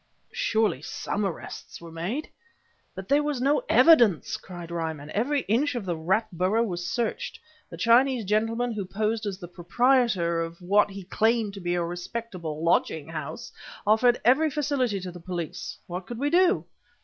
"Surely some arrests were made?" "But there was no evidence!" cried Ryman. "Every inch of the rat burrow was searched. The Chinese gentleman who posed as the proprietor of what he claimed to be a respectable lodging house offered every facility to the police. What could we do?"